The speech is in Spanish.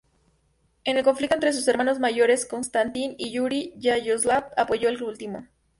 En el conflicto entre sus hermanos mayores Konstantín y Yuri, Yaroslav apoyó al último.